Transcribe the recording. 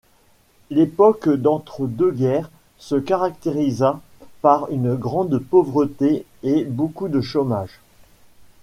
L'époque d'entre-deux-guerres se caractérisa par une grande pauvreté et beaucoup de chômage.